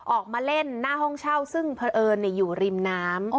ออกมาเล่นหน้าห้องเช่าซึ่งเผอิญอยู่ริมน้ำ